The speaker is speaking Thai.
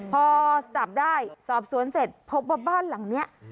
พอจับได้สอบสวนเสร็จพบว่าบ้านหลังนี้